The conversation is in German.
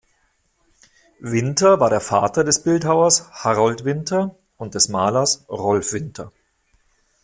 Winter war der Vater des Bildhauers Harold Winter und des Malers Rolf Winter.